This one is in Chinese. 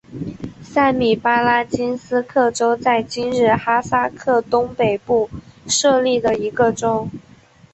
塞米巴拉金斯克州在今日哈萨克东北部设立的一个州。